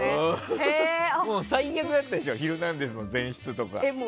最悪だったでしょ「ヒルナンデス！」の前室とか。